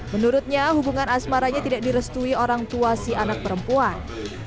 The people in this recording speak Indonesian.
menurutnya hubungan asmaranya tidak direstui orang tua si anak perempuan